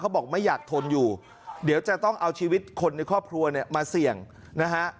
บอกไม่อยากทนอยู่เดี๋ยวจะต้องเอาชีวิตคนในครอบครัวเนี่ยมาเสี่ยงนะฮะ